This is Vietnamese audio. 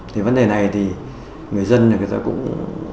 thì vấn đề này thì người dân thì người ta cũng có